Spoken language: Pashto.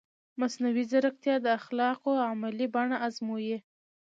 مصنوعي ځیرکتیا د اخلاقو عملي بڼه ازموي.